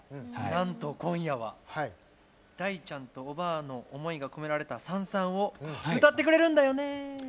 なんと今夜は大ちゃんとおばあの思いが込められた「燦燦」を歌ってくれるんだよね。